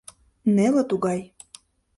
Неле тугай.